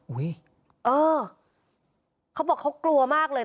เออเขาบอกเขากลัวมากเลย